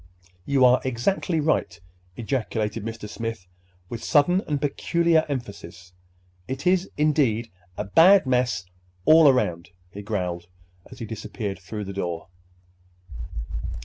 "You are exactly right!" ejaculated Mr. Smith with sudden and peculiar emphasis. "It is, indeed, a bad mess all around," he growled as he disappeared through the door.